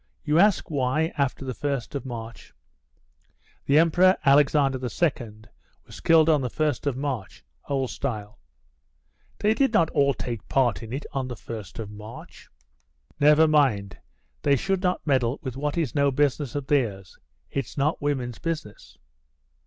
"You ask why, after the 1st of March?" [The Emperor Alexander II was killed on the first of March, old style.] "They did not all take part in it on the 1st of March." "Never mind; they should not meddle with what is no business of theirs. It's not women's business."